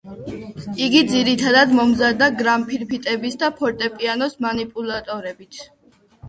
იგი ძირითადად მომზადდა გრამფირფიტების და ფორტეპიანოს მანიპულირებით.